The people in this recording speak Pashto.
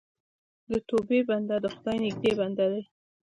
د توبې بنده د خدای نږدې بنده دی.